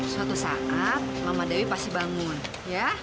suatu saat mama dewi pasti bangun ya